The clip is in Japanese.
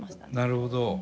なるほど。